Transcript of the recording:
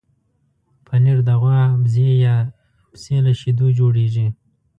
پنېر د غوا، بزه یا پسې له شیدو جوړېږي.